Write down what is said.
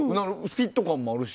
フィット感もあるし。